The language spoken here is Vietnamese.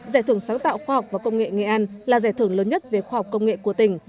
giải thưởng sáng tạo khoa học và công nghệ nghệ an là giải thưởng lớn nhất về khoa học công nghệ của tỉnh